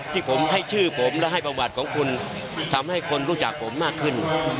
ที่ผมให้ชื่อผมและให้ประวัติของคุณทำให้คนรู้จักผมมากขึ้น